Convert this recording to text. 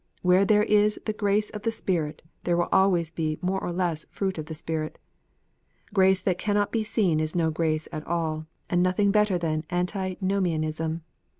Where there is the grace of the Spirit there will be always more or less fruit of the Spirit. Grace that cannot be seen is no grace at all, and nothing better than Antinomianism.